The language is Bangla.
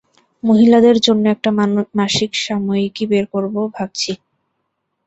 মহিলাদের জন্য একটা মাসিক সাময়িকী বের করব ভাবছি।